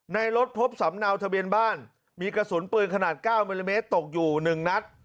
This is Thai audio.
ในรถพบสำเนาทะเบียนบ้านมีกระสุนปืนขนาด๙มิลลิเมตรตกอยู่๑นัด